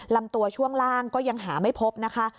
ลำตัวช่วงล่างก็ยังหาไม่พบนะคะ